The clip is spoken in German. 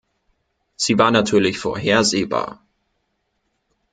Sie war natürlich vorhersehbar.